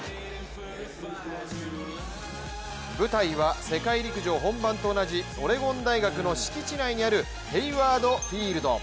舞台は、世界陸上本番と同じオレゴン大学の敷地内にあるヘイワード・フィールド。